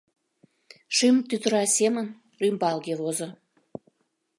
Шем тӱтыра семын рӱмбалге возо.